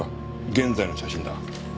現在の写真だ。